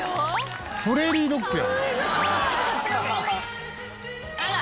プレーリードッグやん。